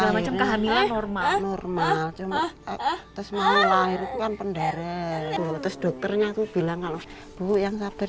lahirnya normal normal cuman terus malah itu kan pendara dokternya aku bilang kalau bu yang sabar